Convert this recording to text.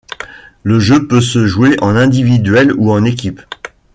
Le jeu peut se jouer en individuel ou en équipe.